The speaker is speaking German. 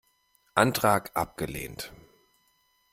Antrag abgelehnt!